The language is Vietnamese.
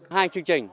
hai chương trình